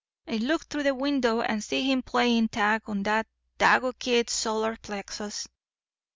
I looked t'rough the window and see him playin' tag on dat Dago kid's solar plexus."